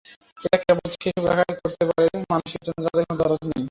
এটা কেবল সেসব লোকই করতে পারে, মানুষের জন্য যাদের কোনো দরদ নেই।